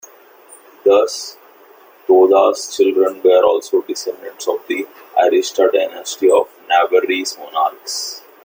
Thus, Toda's children were also descendants of the Arista dynasty of Navarrese monarchs.